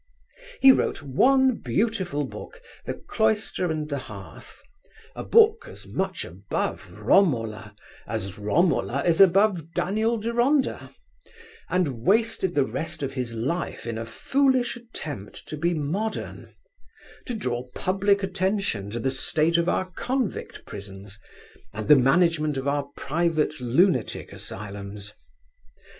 He wrote one beautiful book, The Cloister and the Hearth, a book as much above Romola as Romola is above Daniel Deronda, and wasted the rest of his life in a foolish attempt to be modern, to draw public attention to the state of our convict prisons, and the management of our private lunatic asylums.